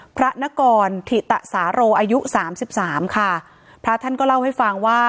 พระนกรถิตสาโรอายุสามสิบสามค่ะพระท่านก็เล่าให้ฟังว่า